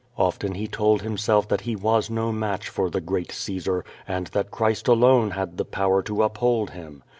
Often he told himself that he was no match for the great Caesar and that Christ alone had the power to uphold him.